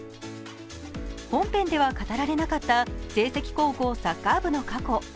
本編では語られなかった聖蹟高校サッカー部の過去。